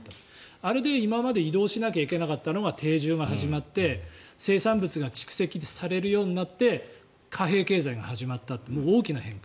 あれで今まで移動しなきゃいけなかったのが定住が始まって生産物が蓄積されるようになって貨幣経済が始まったと大きな変化。